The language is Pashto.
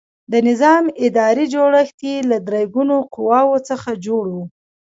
د نظام اداري جوړښت یې له درې ګونو قواوو څخه جوړ و.